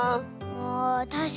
あたしかに。